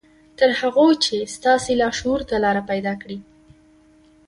تر هغو چې ستاسې لاشعور ته لاره پيدا کړي.